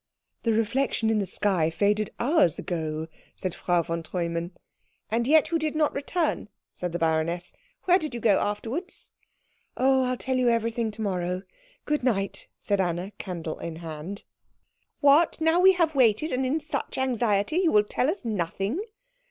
"The reflection in the sky faded hours ago," said Frau vein Treumann. "And yet you did not return," said the baroness. "Where did you go afterwards?" "Oh, I'll tell you everything to morrow. Good night," said Anna, candle in hand. "What! Now that we have waited, and in such anxiety, you will tell us nothing?"